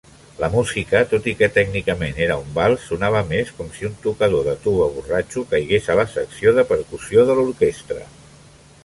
La música, tot i que tècnicament era un vals, sonava més com si un tocador de tuba borratxo caigués a la secció de percussió de l'orquestra.